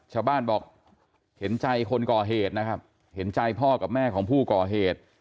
ชาวบ้านบอกเห็นใจคนก่อเหตุนะครับเห็นใจพ่อกับแม่ของผู้ก่อเหตุ